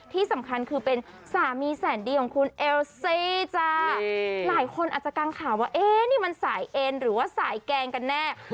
ที่สำคัญคือเป็นสามีแสนดีของคุณเอลซี่จ้าหลายคนอาจจะกังข่าวว่าเอ๊ะนี่มันสายเอ็นหรือว่าสายแกงกันแน่